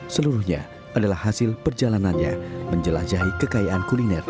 seluruhnya adalah hasil perjalanannya menjelajahi kekayaan kuliner